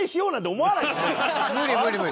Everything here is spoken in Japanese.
無理無理無理！